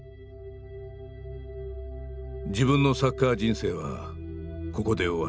「自分のサッカー人生はここで終わる」。